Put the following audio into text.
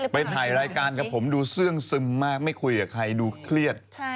ไปถ่ายรายการกับผมดูเสื้องซึมมากไม่คุยกับใครดูเครียด